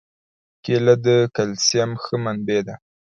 کېله د کلسیم ښه منبع ده.